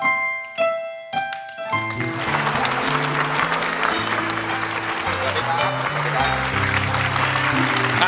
สวัสดีครับสวัสดีครับ